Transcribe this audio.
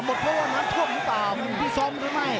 เพราะว่าน้ำท่วมหรือเปล่ามันพิซ้อมหรือไม่